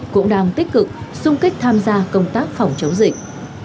cũng đang tích cực xung kích tham gia công tác phòng chống dịch